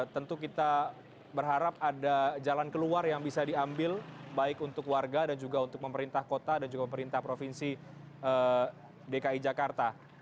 tentu kita berharap ada jalan keluar yang bisa diambil baik untuk warga dan juga untuk pemerintah kota dan juga pemerintah provinsi dki jakarta